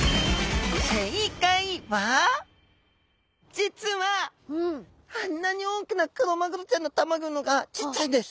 実はあんなに大きなクロマグロちゃんのたまギョの方がちっちゃいんです。